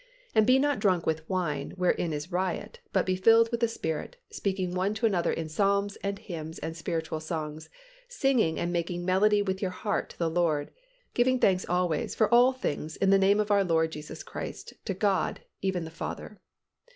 "And be not drunken with wine, wherein is riot, but be filled with the Spirit; speaking one to another in psalms and hymns and spiritual songs, singing and making melody with your heart to the Lord; giving thanks always for all things in the name of our Lord Jesus Christ to God, even the Father."